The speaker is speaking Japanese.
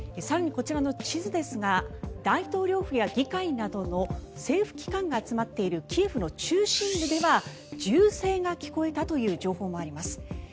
更にこちらの地図ですが大統領府や議会などの政府機関が集まっているキエフの中心部では銃声が聞こえたという情報もあります。